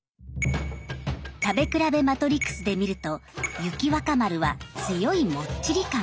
食べ比べマトリクスで見ると雪若丸は強いもっちり感